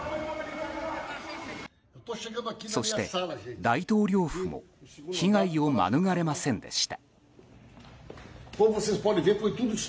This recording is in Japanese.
そして大統領府も被害を免れませんでした。